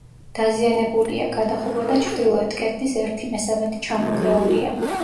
დაზიანებულია: გადახურვა და ჩრდილოეთ კედლის ერთი მესამედი ჩამონგრეულია.